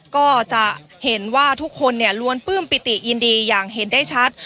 ก็จะเห็นว่าทุกคนล้วนปื้มปิติยินดีอย่างเห็นได้ชัด